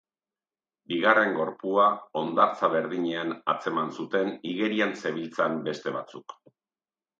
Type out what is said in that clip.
Bigarren gorpua, hondartza berdinean atzeman zuten igerian zebiltzan beste batzuek.